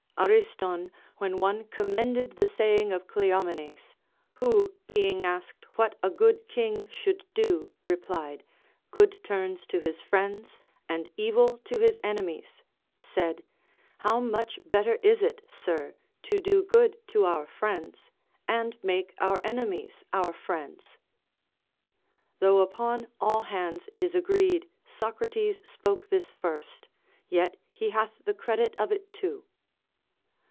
Ariston, when one commended the saying of Cleomenes, — who, being asked what a good king should do, replied. Good turns to his friends, and evil to his enemies, — said: ΗοΛν much better is it, sir, to do good to our friends, and make our enemies our friends ! Though upon all hands it is agreed Socrates spoke this first, yet he hath the credit of it too.